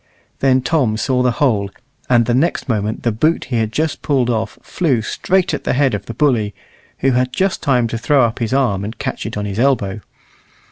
Then Tom saw the whole, and the next moment the boot he had just pulled off flew straight at the head of the bully, who had just time to throw up his arm and catch it on his elbow.